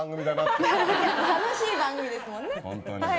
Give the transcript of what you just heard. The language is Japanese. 楽しい番組ですもんね？